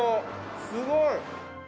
すごい！